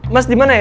mas dimana ya